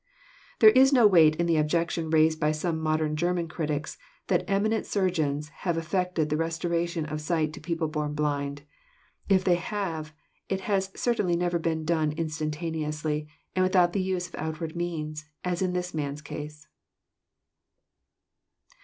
There is no weight in the objection raised by some modem German critics, that eminent surgeons have effected the resto ration of sight to people born blind. If they have, it has cer tainly never been done instantaneously, and without the use of outward means, as in this man's case.